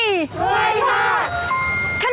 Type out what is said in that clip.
กล้วยพาด